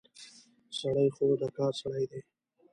سړی خو د کار سړی دی.